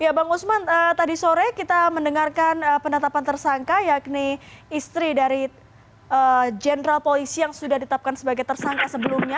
ya bang usman tadi sore kita mendengarkan penetapan tersangka yakni istri dari jenderal polisi yang sudah ditetapkan sebagai tersangka sebelumnya